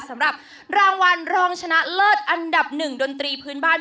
สำหรับรางวัลรองชนะเลิศอันดับหนึ่งดนตรีพื้นบ้าน